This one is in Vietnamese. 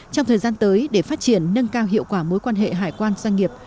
trong thời gian tới để phát triển nâng cao hiệu quả mối quan hệ hải quan doanh nghiệp